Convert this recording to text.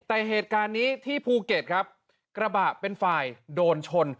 แต่เหตุการณ์นี้ที่ภูเก็ตครับกระบะเป็นฝ่ายโดนชน